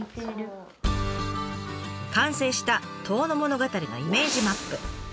完成した「遠野物語」のイメージマップ。